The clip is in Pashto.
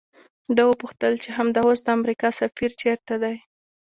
ده وپوښتل چې همدا اوس د امریکا سفیر چیرته دی؟